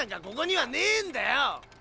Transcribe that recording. ここにはねえんだよ。